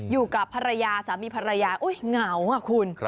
อยู่กับภรรยาสามีภรรยาอุ๊ยเหงาอ่ะคุณ